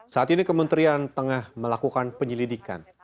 saat ini kementerian tengah melakukan penyelidikan